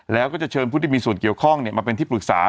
แล้วก็จะเชิญผู้ที่มีส่วนเกี่ยวข้องมาเป็นที่ปรึกษา